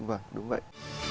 vâng đúng vậy